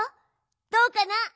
どうかな？